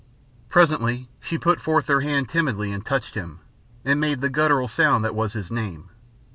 Presently she put forth her hand timidly and touched him, and made the guttural sound that was his name.